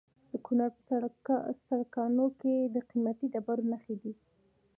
د کونړ په سرکاڼو کې د قیمتي ډبرو نښې دي.